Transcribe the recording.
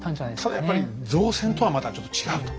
ただやっぱり造船とはまたちょっと違うと。